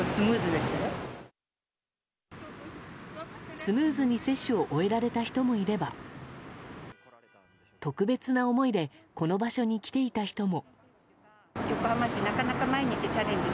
スムーズに接種を終えられた人もいれば特別な思いでこの場所に来ていた人も。